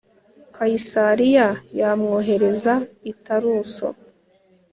kayisariya bamwohereza i taruso